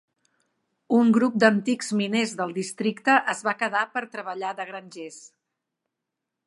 Un grup d'antics miners del districte es va quedar per treballar de grangers.